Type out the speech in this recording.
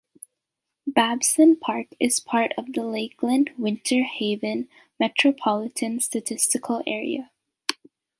Babson Park is part of the Lakeland-Winter Haven Metropolitan Statistical Area.